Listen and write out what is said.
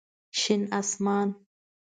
شين اسمان